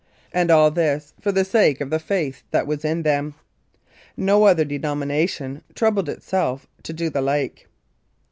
And all this for the sake of the faith that was in them. No other denomination troubled itself to do the like.